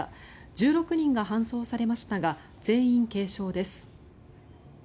１６人が搬送されましたが全員軽傷です。